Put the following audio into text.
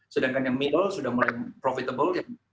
sedangkan yang middle sudah mulai profitable